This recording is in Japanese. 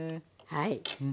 はい。